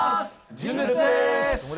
純烈です。